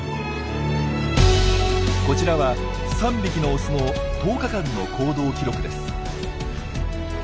こちらは３匹のオスの１０日間の行動記録です。